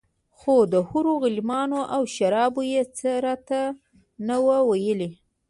خو د حورو غلمانو او شرابو يې څه راته نه وو ويلي.